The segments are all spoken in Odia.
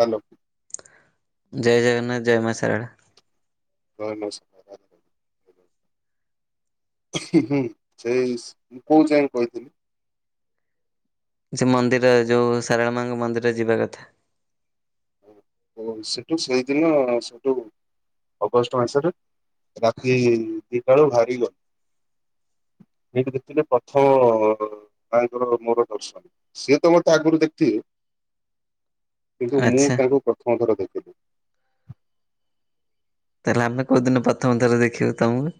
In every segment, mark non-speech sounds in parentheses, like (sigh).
ହାଲୋ। ଜୟ ଜଗନ୍ନାଥ ଜୟ ମା ଶାରଳା। (unintelligible) ନମସ୍କାର। ହୁଁ ହୁଁ ସେଇ ମୁଁ କୋଉ ଯାଏଁ କଇଥିଲି? ସେ ମନ୍ଦିର ଯୋଉ ସାରଳା ମା ଙ୍କ ମନ୍ଦିର ଯିବା କଥା। ଓ ସେଟୁ ସେଇଦିନ ସେଟୁ ଅଗଷ୍ଟ ମାସରେ ରାତି ଦିଟା ବେଳୁ ବାହାରି ଗଲୁ। ଏଇଟି ଦେଖଥିଲେ ପ୍ରଥମ ମା ଙ୍କର ମୋର ଦର୍ଶନ। ସିଏ ତ ମତେ ଆଗୁରୁ ଦେଖିଥିବେ କିନ୍ତୁ ମୁଁ ଆଚ୍ଛା ତାଙ୍କୁ ପ୍ରଥମ ଥର ଦେଖିଲି। ତାହେଲେ ଆମେ କୋଉଦିନ ପ୍ରଥମ ଥର ଦେଖିବୁ ତମୁକୁ?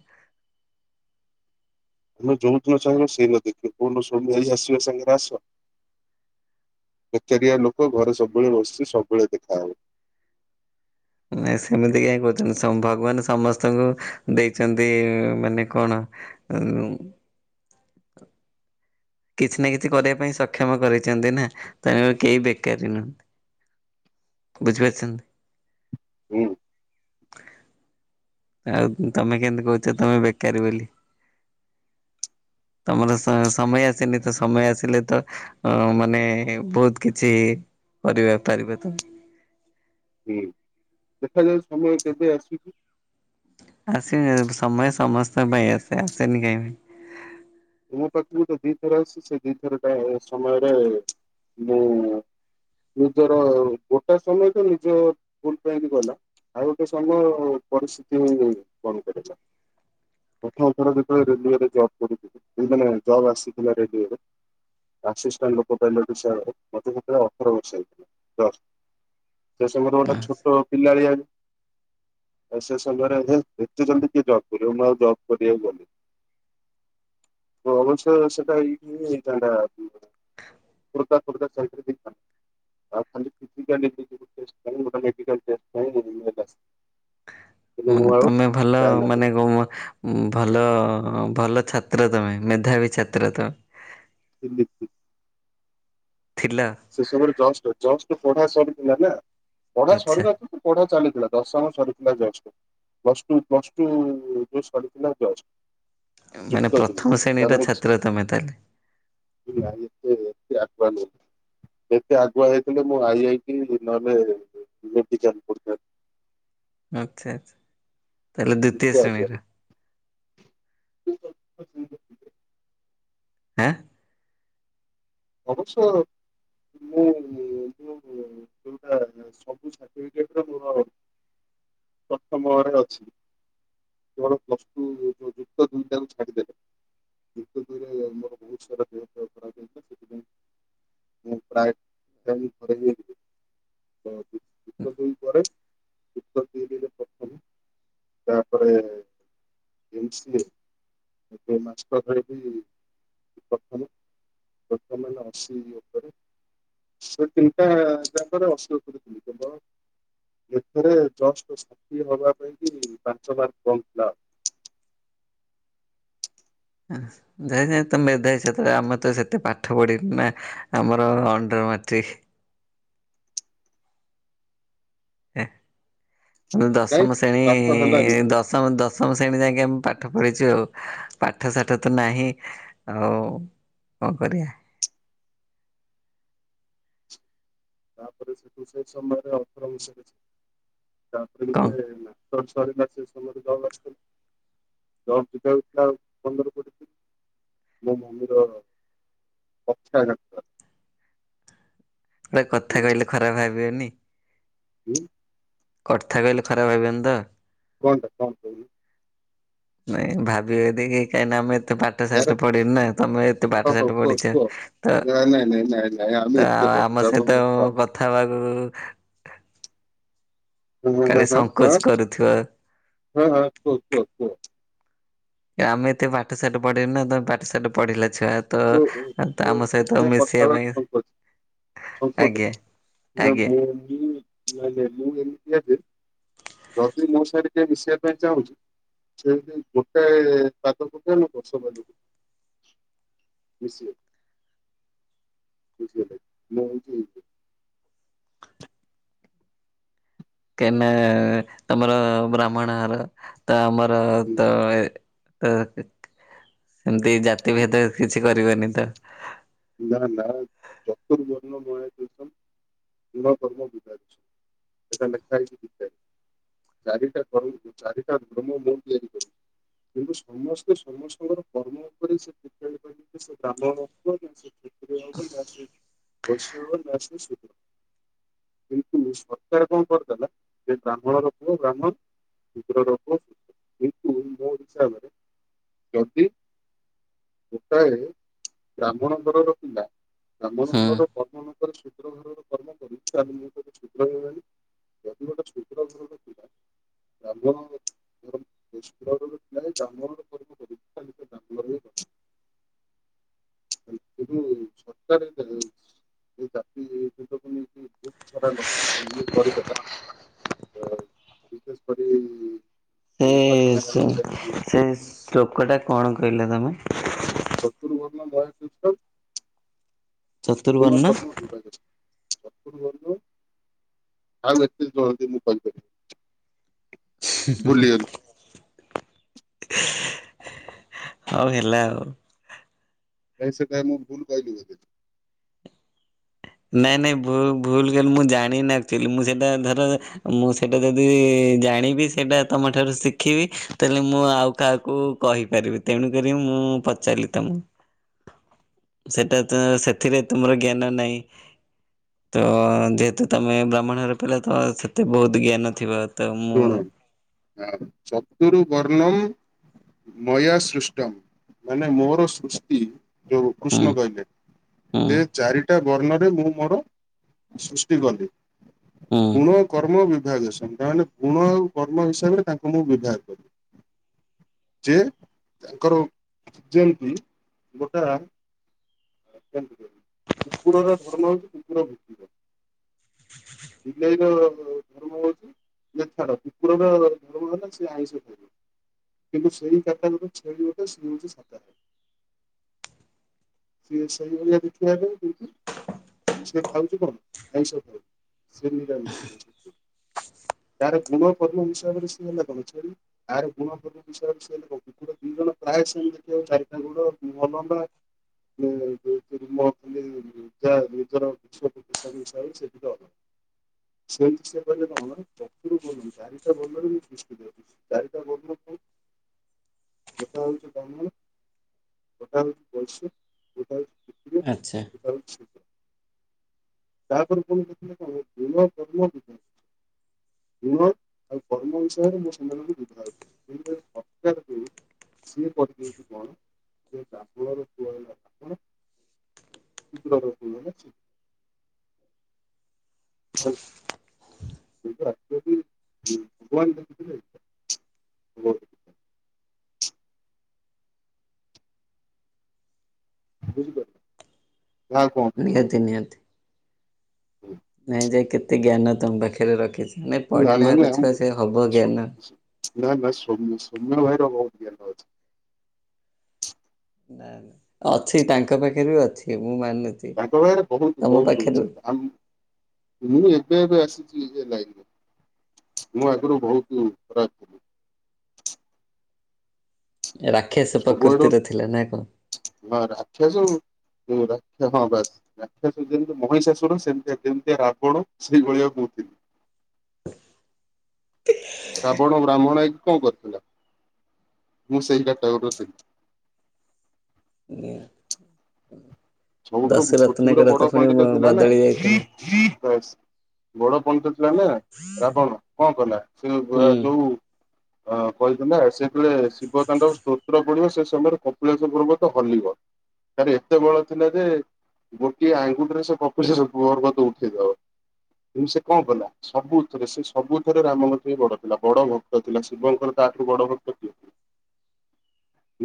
ତମେ ଯୋଉ ଦିନ ଚାହିଁବ ସେଇ ଦିନ ଦେଖିବ କୋଉ ଦିନ (unintelligible) ଆସିବା ସାଙ୍ଗରେ ଆସ। ବେକାରିଆ ଲୋକ ଘରେ ସବୁବେଳେ ବସିଚି ସବୁବେଳେ ଦେଖା ହବ। ନାଇଁ ସେମିତି କାଇଁ କୋଉଚନ୍ତି ସମ୍ ଭଗବାନ ସମସ୍ତଙ୍କୁ ଦେଇଚନ୍ତି ମାନେ କଣ? (unintelligible) କିଛି ନା କିଛି କରିବା ପାଇଁ ସକ୍ଷମ କରେଇଛନ୍ତି ନାଁ ତେଣୁ କେହି ବେକାରୀ ନୁହନ୍ତି। ବୁଝି ପାରୁଛନ୍ତି। ହୁଁ ଆଉ ତମେ କେମିତି କହୁଛ ତମେ ବେକାରୀ ବୋଲି। (inaudible) ତମର ସ ସମୟ ଆସିନି ତ ସମୟ ଆସିଲେ ତ। ଅ ମାନେ ବହୁତ କିଛି କରି ପାରିବେ ହୁଁ ଦେଖାଯାଉ ସମୟ କେବେ ଆସୁଛିି। ଆସିନି ସମୟ ସମସ୍ତଙ୍କ ପାଇଁ ଆସେ ଆସେନି କାହିଁ ମୋ ପାଖକୁ ତ ଦିଥର ଆସିଛି ସେ ଦିଥର ଟା ସମୟରେ ମୁଁ। (unintelligible) ଆଉ ଗୋଟେ ସମୟ ପରିସ୍ଥିତି ହ କଣ କରଛ (unintelligible) ଆସିଷ୍ଟାଣ୍ଟ ଲୋକ ପାଇଲଟ୍ ହିସାବରେ ମୋତେ ସେତେବେଳେ ଅଠର ବର୍ଷ ହେଇଥିଲା, ଜଷ୍ଟ। ସେ ସଙ୍ଗରେ ଗୋଟେ ଛୋଟ ପିଲା (unintelligible) ଆଉ ସେ ସମୟରେ ହେ ଏତେ ଜଲଦି କିଏ ଜବ୍ କରିବ ମୁଁ ଆଉ ଜବ୍ କରି (unintelligible) ତ ଅବଶ୍ୟ ସେଟାଇଦ୍ (unintelligible) (unintelligible) ମେଡିକାଲ୍ କେସ୍ ପାଇଁ (unintelligible) ମୁଁ ମାନେ ଆଉ ତମେ ଭଲ ମାନେ ଯାଇନଥିଲି କଁ ଭଲ-ଅଁ, ଭଲ ଛାତ୍ର ତମେ। ମେଧାବୀ ଛାତ୍ର ତ। (inaudible) ଥିଲା। ସେ ସବୁରେ ଜଷ୍ଟ ଜଷ୍ଟ ପଢା ସରିଥିଲା ନା, ପଢା ଆଚ୍ଛା ସରିଲ ତ ପଢା ଚାଲିଥିଲା ଦଶମ ସରିଥିଲା just. Plus two plus two (unintelligible) ସରିଲା ଜସ୍ ମାନେ, ପ୍ରଥମ ଶ୍ରେଣୀର ଛାତ୍ର ତମେ ତାହେଲେ। (unintelligible) ଏତେ ଆଗୁଆ ହେଇଥିଲେ ମୁଁ ଆଇଆଇଟି ନହେଲେ ଇଲେକ୍ଟ୍ରିକାଲ ପୋଷ୍ଟ ପାଇ ତାହେଲେ ଦ୍ଵିତୀୟ ଏତେ ଆଗୁଆ ଶ୍ରେଣୀର ନୁହେଁ (inaudible) ଅବଶ୍ୟ। (unintelligible) ପ୍ରଥ ମୁହରେ ଅଛି କେଳ ଯୋ ଯୁକ୍ତ ଦୁନିଟକୁ ଛାଡିଦେଲେ। (inaudible) ମୋର ବହୁତ୍ ସାରା ଦେହ (inaudible) (unintelligible) (inaudible) ତା'ପରେ ଏମ୍ସ ଦି ଦି ମାସ୍ ତ ଭଳିକି (unintelligible) (unintelligible) ଓପରେ। ସେ ତିନିଟା ତାଙ୍କର (unintelligible) ଏଥିରେ ଜଷ୍ଟ ଷାଠିଏ ହବା ପାଇଁ କି ପାଞ୍ଚ ମାର୍କ କମ୍ ଥିଲା। ହଁ ନାଇଁନାଇଁ ସେତେ ଆମେ ତ ସେତେ ପାଠ ପଢିନୁ ନା? ଆମର ଅଣ୍ଡର ମାଟ୍ରିକ। ଏ କାଇଁ ଦଶମ ଶ୍ରେଣୀ ପାଠ ଏ ହେଲାନି ଦଶମ ଦଶ ଦଶମ ଶ୍ରେଣୀ ଯାଙ୍କେ ଆମେ ପାଠ ପଢିଛୁ ଆଉ ପାଠ ସାଠ ତ ନାହିଁ ଆଉ କଣ କରିବା? ତାପରେ ସେଠୁ ସେ ସମୟରେ ଅକ୍ଷର ହୋଇସାରଛି ତାପରେ କଣ ଟିକେ ସରିଲା ସେ ସମୟରେ ଜବ୍ ଆସିଥିଲା ଜବ ଯିବାକୁଥିଲା ପନ୍ଦର କୋଡିଏ ଦିନ ମୋ ଭଉଣୀର ପକ୍ଷାଘାତ। ଗୋଟେ କଥା ହେଲା। କହିଲେ ଖରାପ ଭାବିବେନି? ହୁଁ। କଥା କହିଲେ ଖରାପ ଭାବିବେନି ତ? କଣଟା କଣ କହୁନୁ? ନାଇଁ ଭାବିିବେ ଯଦି କାଇ ନା ଆମେ ଏତେ ପା ପାଠ ୟାର ସାଠ ପଢିନୁ ନା ତମେ ଏତେ ହଁ ପାଠ ହଉ ସାଠ କୁହ ପଢିଛ କୁହ। ତ ନାଇଁ ନାଇଁ ନାଇଁ ନାଇଁ ନାଇଁ ଆମେ ତ ଏତେ ଆମ ବଡ ସହିତ ମୂର୍ଖ। କଥା ହବାକୁ ହାଁ ହାଁ କାଳେ ହାଁ ସଂଙ୍କୋଚ ହାଁ କରୁଥିବ। ହାଁ ହାଁ କୁହ କୁହ କୁହ? କେ ଆମେ ଏତେ ପାଠ ସାଠ ପଢିନୁ ନା ତମେ ପାଠ ସାଠ ପଢିଲ ଛୁଆବେଳୁ ଓ ଓ ତ ଓ ତ ଆମ ସହିତ ମିଶିବା ପାଇଁ ହଁ କୁହନ୍ତୁ ଆଜ୍ଞା ନା ଆଜ୍ଞା ମୁଁ ବି ନାଇଁ ମୁ ଏମିତିଆ ଯେ ଯଦି ମୋ ସାଙ୍ଗରେ କିଏ ମିଶିବା ପାଇଁ ଚାହୁଁଚି? ଯେମିତି ଗୋଟେ ପାଦ। (inaudible) ମିଶିବେ ମିଶିବା ପାଇଁ ମୁଁ ହଉଛି ଏଭଳିଆ। କାଇଁ ନା ତମର ବ୍ରାହ୍ମଣ ଘର ତ ଆମର ତ ଏ ଅହ ସେମତି ଜାତିଭେଦ କିଛି କରିବେନି ତ। ନା ନା ଚତୁ ବର୍ଣ୍ଣ। (inaudible) ଏଇଟା ଲେଖା ହେଇଛି ଗୀତାରେ। ଚାରିଟା କର୍ମ ଚାରିଟା ଧର୍ମ ମୁଁ ତିଆରି କରିଛି। କିନ୍ତୁ ସମସ୍ତେ ସମସ୍ତଙ୍କର କର୍ମ ଉପରେ ସେ (inaudible) ଟେ ସେ ବ୍ରାହ୍ମଣ ହୁଅନ୍ତୁ ବା ନା ସେ କ୍ଷତ୍ରିୟ ହଉବା ନାସେ ବୈଷ୍ୟ ହଉବା ନା ସେ ଶୁଦ୍ର ହେବ। କିନ୍ତୁ ସରକାର କଣ କରିଦେଲା ସେ ବ୍ରାହ୍ମଣର ପୁଅ ବ୍ରାହ୍ମଣ। ଶୁଦ୍ରର କୋଉ ମୋ ଇଚ୍ଛା ଉପରେ। ଯଦି ଗୋଟାଏ ବ୍ରାହ୍ମଣ ଘରର ପିଲା ବ୍ରାହ୍ମଣ ହୁଁ। ଘରର ପ୍ରଥମତ ଶୁଦ୍ର ଘରର କର୍ମ କରି ଶୁଦ୍ର ହେଇଗଲାଣି। ଯଦି ଗୋଟେ ଶୁଦ୍ର ଘରର ପିଲା ବ୍ରାହ୍ମଣ (inaudible) (inaudible) (inaudible) ସତରେ ଜାତି ଏ ନେଇ ବହୁ ଖରାପ ଇଏ କରିଦେଲା। ସରିଯାଇଛି। ଏ ସେ ସେ ସେ ଶ୍ଳୋକଟା କଣ କହିଲ ତମେ? ଚତୁର୍ ବର୍ଣ୍ଣ। (inaudible) (inaudible) ଚତୁର୍ବର୍ଣ୍ଣ ଚତୁର ବର୍ଣ୍ଣ। ଆଉ ଏତେ ଜଲଦି ମୁଁ କହିପାରିବି ନାହିଁ? ହଉ ହେଲା ଆଉ। କାଇଁ ସେଟା ମୁଁ ଭୁଲ୍ କହିଲି ବୋଧେ। ନାଇଁ ନାଇଁ ଭୁଲ୍ ଭୁଲ୍ କହିଲ ମୁଁ ଜାଣିନି ଆକ୍ଚୁଆଲି ମୁଁ ସେଇଥିପାଇଁ ଧର ମୁଁ ସେଇଟା ଯଦି ଜାଣିବି ସେଇଟା ତମ ଠାରୁ ଶିଖିବି। ତାହେଲେ ମୁଁ ଆଉ କାହାକୁ କହିପାରିବି। ତେଣୁ କରି ମୁଁ ପଚାରିଲି ତମକୁ। ସେଟା ତ ସେଥିରେ ତୁମର ଜ୍ଞାନ ନାହିଁ। ତ ଯେହେତୁ ତମେ ବ୍ରାହ୍ମଣ ଘର ପିଲା ତ ସେତେ ବହୁତ୍ ଜ୍ଞାନ ଥିବ। ତ ମୁଁ ଶୁଣୁ ଚର୍ତୁ ବର୍ଣ୍ଣମ୍ ମୟା ସୃଷ୍ଟମ୍, ମାନେ ମୋର ସୃଷ୍ଟି ଯୋଉ ହୁଁ କୃଷ୍ଣ କହିଲେ। ହୁଁ ସେ ଚାରିଟା ବର୍ଣ୍ଣରେ ମୁଁ ମୋର ସୃଷ୍ଟି କଲି। ହୁଁ ଗୁଣ କର୍ମ ବିଭାଜ୍ୟସମ୍। ତା ମାନେ ଗୁଣ ଆଉ କର୍ମ ହିସାବରେ ତାଙ୍କୁ ମୁଁ ବିଭାଗ କଲି। ଯେ ତାଙ୍କର ଯେମିତି ଗୋଟା କୁକୁରର ଧର୍ମ ହଉଚି କୁକୁର ଭୁକିବ। ବିଲେଇ ର ଧର୍ମ ହଉଚି, ଯେ ଛାଡ କୁକୁରର ଧର୍ମ ହେଲା ସେ ଆଇଁଷ ଖାଇବ। କିନ୍ତୁ ସେଇ କାଟା ଗୋରି ର ଛେଳି ଗୋଟେ ସେ ହଉଚି ସାଧା ଖାଇବ। ସିଏ ସେଇ ଭଳିଆ ଦେଖିବା ପାଇଁ। କିନ୍ତୁ ସେ ଖାଉଚି କଣ ଆଇଁଷ ଖାଉନି ସେ ନିରାମିଷ ଖାଉଚି। ତାର ଗୁଣ କର୍ମ ହିସାବରେ ସେ ହେଲା କଣ ଛେଳି। ଆର ଗୁଣ କର୍ମ ବିଷୟରେ ସେ ହେଲା କଣ କୁକୁର ଦି ଜଣ ପ୍ରାୟ ସେମ୍ ଦେଖିବାକୁ ଚାରିଟା ଗୋଡ଼। (unintelligible) (unintelligible) ମନ୍ଥଲି ନିଜ ନିଜର (unintelligible) ହିସାବରେ ସେ ଟିକେ ଅଲଗା। (unintelligible) ଚାରିଟା ବର୍ଣ୍ଣ ଥାଏ। ଗୋଟା ହଉଚି। (unintelligible) ଆଚ୍ଛା। (unintelligible) ଗୁଣ ଆଉ କର୍ମ ହିସାବରେ ମୁଁ ସେମାନଙ୍କୁ ବିଭାଗ। (unintelligible) (unintelligible) (unintelligible) (unintelligible) ସେଇଟା ଆକଚୁଆଲି (unintelligible) ବୁଝିପାରିଲେ। ନା ଆଉ କଣ ଅବୁଝା ରହିଲା? (unintelligible) ହୁଁ ନାଇଁ ଯେ କେତେ ଜ୍ଞାନ ତମ ପାଖରେ ରଖିଚି। ନାଇଁ ନା ନା ପଢିଲା ନା ଘର ଛୁଆ ମୁଁ ସେ ହବ ଜ୍ଞାନ। ନା ନା ସୋମ୍ୟ ସୋମ୍ୟ ଭାଇର ବହୁତ ଜ୍ଞାନ ଅଛି। ଅଛି ତାଙ୍କ ପାଖରେ ବି ଅଛି ମୁଁ ମାନୁଚି। ତାଙ୍କ ପାଖରେ ବହୁତ୍ ବହୁତ୍ ଅଛି। ଆମ୍ ମୁଁ ଏବେ ଏବେ ଆସିଚି ଏଇ ଲାଇନକୁ। ମୁଁ ଆଗରୁ ବହୁତ ଖରା ରାକ୍ଷସ ସବୁଆଡୁ ପ୍ରକୃତି ର ଥିଲା ନା କଣ? ହଁ ରାକ୍ଷାସ (unintelligible) ହଁ ବାସ୍। ରାକ୍ଷାସ ଯେମିତି ମହିଷାଶୁର ସେମିତିଆ ଯେମିତିଆ ରାବଣ ସେଇ ଭଳିଆ ମୁଁ ଥିଲି। ଶାବଣ ବ୍ରାହ୍ମଣ ହେଇକି କଣ କରୁଥିଲା ମୁଁ ସେଇ ଘାଟରେ ରୋସେଇଥିଲି ଏ ଆ ସବୁଠାରୁ ପୃଥିବୀର ଦଶରତ୍ନଙ୍କର ବଡ ପୁଣି ପଣ୍ଟ୍ ତ ଥିଲା ନା ବଦଳି ଯାଇଥିଲେ (unintelligible) ବଡ ପଣ୍ଡିତ ଥିଲା ନା ରାବଣ କଣ କଲା ସେ ହୁଁ। ପରା ଯଉ ଅ କହିଛନ୍ତି ନା ସେବେଳେ ଶିବ ତାଙ୍କ ସ୍ତୋତ୍ର ପଡିବ ସେ ସମୟରେ କପିଳାେଶ ପର୍ବତ ହଲିବ ତାରେ ଏତେ ବଳ ଥିଲା ଯେ ଗୋଟିଏ ଆଙ୍ଗୁଡିରେ ସେ (unintelligible) ପର୍ବତ ଉଠେଇଦବ। କିନ୍ତୁ ସେ କଣ କଲା। ସବୁଥିରେ ସେ ସବୁଥିରେ ରାମଙ୍କଠୁ ହଁ ବଡ଼ ଥିଲା ବଡ଼ ଭକ୍ତ ଥିଲା ଶିବଙ୍କର ତାଠୁ ବଡ଼ ଭକ୍ତ କିଏ।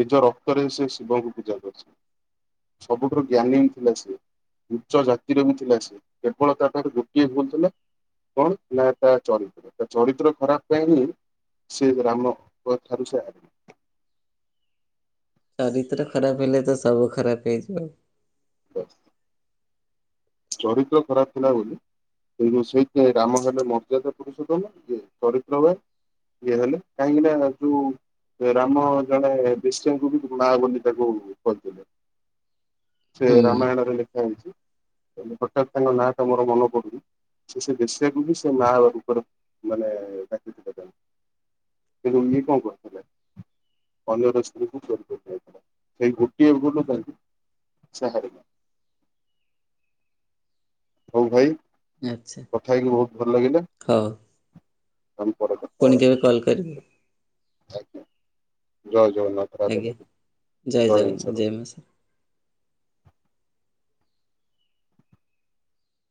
ନିଜ ରକ୍ତରେ ସେ ଶିବଙ୍କୁ ପୂଜା କରିଛି। ସବୁଠୁରୁ ଜ୍ଞାନୀ ହିଁ ଥିଲା ସିଏ। ଉଚ୍ଚ ଜାତିର ବି ଥିଲା ସେ କେବଳ ତା ପାଖରେ ଗୋଟିଏ ଭୁଲ୍ ଥିଲା। କଣ ନା ତା ଚରିତ୍ର ତା ଚରିତ୍ର ଖରାପ ପାଇଁ ହିଁ ସେ ଗ୍ରାମ ପ ଠାରୁ ସେ ଆ ଚରିତ୍ର ଖରାପ ହେଲେ ତ ସବୁ ଖରାପ ହେଇଯିବ ଆଉ। ହ ଚରିତ୍ର ଖରାପ ଥିଲା ବୋଲି। ହୁଁ ସେଇଥିପାଇଁ ରାମ ହେଲେ ମର୍ଯ୍ୟାଦା ପୁରୁଷୋତ୍ତମ ଯେ ଚରିତ୍ର ପାଇଁ। ଇଏ ହେଲେ କାହିଁକି ନା ଯୋଉ। ସେ ରାମ ଜଣେ ବିଷ୍ଣୁ ଗୁବି ମା ବୋଲି ତାକୁ କହିଥିଲେ। ସେ ହୁଁ ରାମାୟଣରେ ଲେଖା ହେଇଛି ହଠାତ୍ ତାଙ୍କ ନାଁ ଟା ମୋର ମନେ ପଡୁନି। ସେ ସେ ବେଶ୍ୟାକୁ ବି ସେ ମା ରୂପରେ ମାନେ ଡାକି ଥିଲେ ତାକୁ। ସେ ରୁନି କଣ କରୁଥିଲେ। ଅନ୍ୟର ସ୍ତ୍ରୀକୁ ଚୋରି କରୁଥିଲେ ସେଇ ଗୋଟିଏ ଭୁଲ୍ ତାର। ଶାହାରେ (unintelligible) ହଉ ଭାଇ ଆଚ୍ଛା କଥା ହେଇକି ବହୁତ ଭଲ ଲାଗିଲା। ହଉ। ଆମେ ପରେ କଥ ପୁଣି କେବେ କଲ୍ କରିବି। ଆଜ୍ଞା ଜୟ ଜଗନ୍ନାଥ। ରାଧେ ଆଜ୍ଞା ରାଧେ ଜୟ ହିନ୍ଦ ସାର୍। ଜଗନ୍ନାଥ ଜୟ ମାଁ ସମଲେଇ।